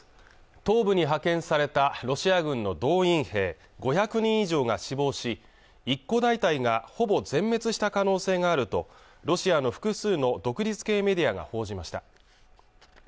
東部に派遣されたロシア軍の動員兵５００人以上が死亡し一個大隊がほぼ全滅した可能性があるとロシアの複数の独立系メディアが報じました